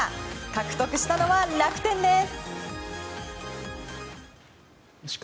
獲得したのは楽天です。